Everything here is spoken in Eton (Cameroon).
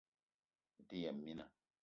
Mete yëm mina